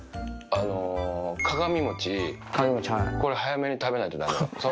鏡餅、これ、早めに食べないとだめ。